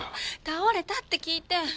倒れたって聞いて。